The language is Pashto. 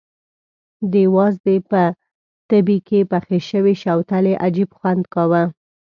د وازدې په تبي کې پخې شوې شوتلې عجب خوند کاوه.